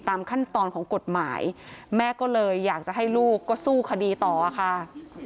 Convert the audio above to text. ตามขั้นตอนของกฎหมายแม่ก็เลยอยากจะให้ลูกก็สู้คดีต่อค่ะ